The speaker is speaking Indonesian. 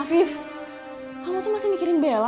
afif kamu tuh masih mikirin bella ya